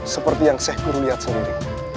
seperti yang sheikh guru lihat sendiri